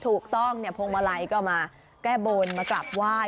ถูกต้องเนี่ยพวงมาลัยก็มาแก้บนมากราบไหว้